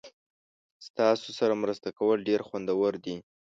ستاسو سره مرسته کول ډیر خوندور دي.